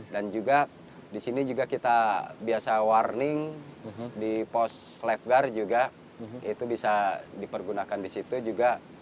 dan juga di sini juga kita biasa warning di pos lifeguard juga itu bisa dipergunakan di situ juga